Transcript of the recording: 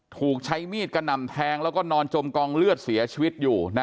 ถูกใช้มีดกระหน่ำแทงแล้วก็นอนจมกองเลือดเสียชีวิตอยู่